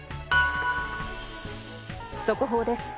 速報です。